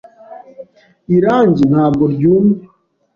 Irangi ntabwo ryumye.